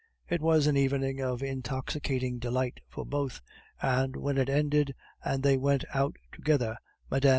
It was an evening of intoxicating delight for both; and when it ended, and they went out together, Mme.